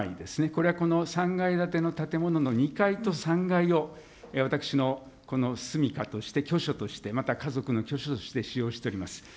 これは、この３階建ての建物の２階と３階を、私のこのすみかとして、居所として、また家族の居所として使用しております。